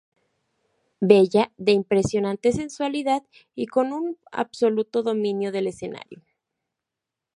Bella, de impresionante sensualidad y con un absoluto dominio del escenario.